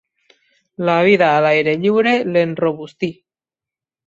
La vida a l'aire lliure l'enrobustí.